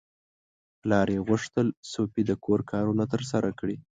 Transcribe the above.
پلار یې غوښتل سوفي د کور کارونه ترسره کړي.